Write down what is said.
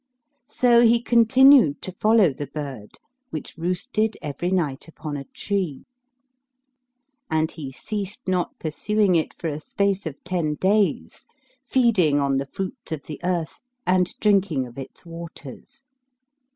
[FN#309] So he continued to follow the bird which roosted every night upon a tree; and he ceased not pursuing it for a space of ten days, feeding on the fruits of the earth and drinking of its waters.